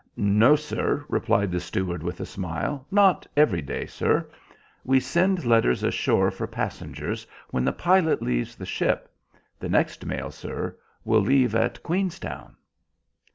"No, sir," replied the steward with a smile, "not every day, sir. We send letters ashore for passengers when the pilot leaves the ship. The next mail, sir, will leave at Queenstown."